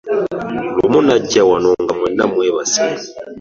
Lumu najja wano nga mwenna mwebase.